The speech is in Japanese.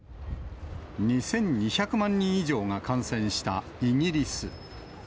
２２００万人以上が感染したイギリス。